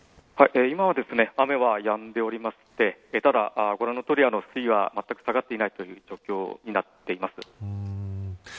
今は雨がやんでおりましてただ、ご覧のとおり水位は全く下がっていない状況になっています。